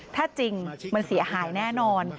ถ้าจริงมันเสียหายแน่นอน